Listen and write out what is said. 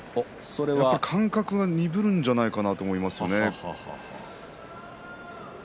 感覚が鈍るんじゃないかなと思いますね。